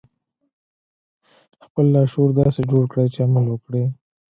خپل لاشعور داسې جوړ کړئ چې عمل وکړي